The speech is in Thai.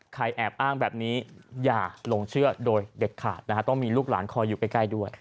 แอบอ้างแบบนี้อย่าหลงเชื่อโดยเด็ดขาดนะฮะต้องมีลูกหลานคอยอยู่ใกล้ด้วย